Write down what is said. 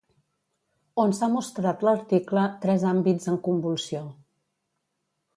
On s'ha mostrat l'article Tres àmbits en convulsió.